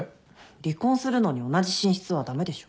離婚するのに同じ寝室は駄目でしょ。